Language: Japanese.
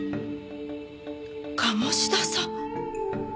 鴨志田さん！？